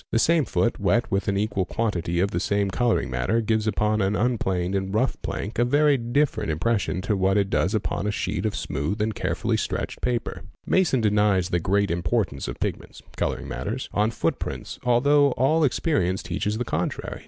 The same foot wet with an equal quantity of the ame colouring matter gives upon an unplaned and rough plank a very afferent. impression to what it does upon a sheet of smooth and carefully tretched paper. i || Masson denies the "'great importance of pigments'' (colouring matters 0n footprints, although all experience teaches the contrary.